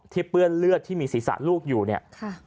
เปื้อนเลือดที่มีศีรษะลูกอยู่เนี่ย